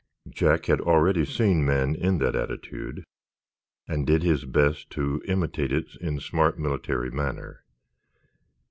Jack had already seen men in that attitude, and did his best to imitate it in smart military manner.